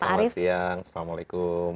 selamat siang assalamualaikum